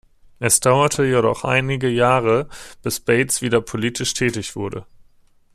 Es dauerte jedoch einige Jahre, bis Bates wieder politisch tätig wurde.